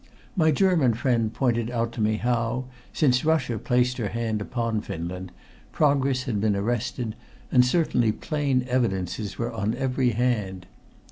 My German friend pointed out to me how, since Russia placed her hand upon Finland, progress had been arrested, and certainly plain evidences were on every hand.